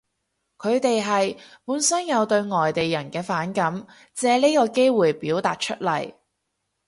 佢哋係，本身有對外地人嘅反感，借呢個機會表達出嚟